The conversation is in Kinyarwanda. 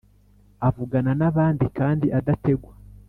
avugana n’abandi.kandi adategwa